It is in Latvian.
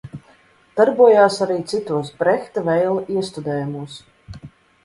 Darbojās arī citos Brehta – Veila iestudējumos.